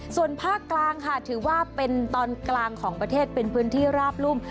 ส่วนภาคกลางค่ะถือว่าเป็นตอนกลางของประเทศเป็นพื้นที่ราบรุ่ม